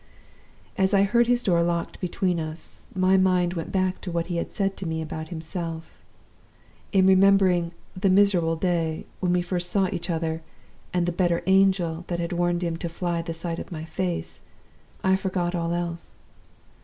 "As I heard his door locked between us, my mind went back to what he had said to me about myself. In remembering 'the miserable day' when we first saw each other, and 'the better angel' that had warned him to 'fly the sight of my face,' I forgot all else.